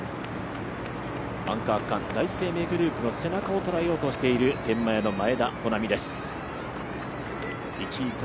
アンカー区間、第一生命グループの背中を捉えようとしている天満屋の前田穂南です。